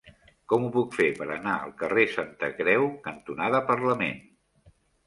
Com ho puc fer per anar al carrer Santa Creu cantonada Parlament?